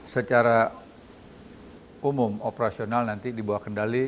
secara umum operasional nanti dibawa kendali